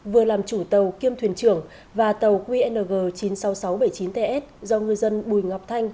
vừa làm chủ tàu kiêm thuyền trưởng và tàu qng chín mươi sáu nghìn sáu trăm bảy mươi chín ts do ngư dân bùi ngọc thanh